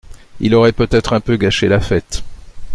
Il aurait peut-être un peu gâché la fête.